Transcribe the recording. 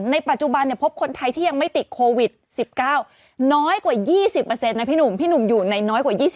ในปัจจุบันพบคนไทยที่ยังไม่ติดโควิด๑๙น้อยกว่า๒๐นะพี่หนุ่มพี่หนุ่มอยู่ในน้อยกว่า๒๐